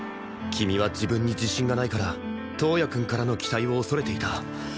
君は自分に自信がないから橙也くんからの期待を恐れていた